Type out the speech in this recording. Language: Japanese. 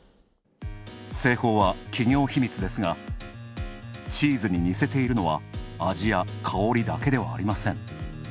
製法は企業秘密ですがチーズに似せているのは味や香りだけではありません。